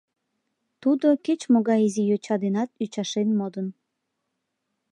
Тудо кеч-могай изи йоча денат ӱчашен модын.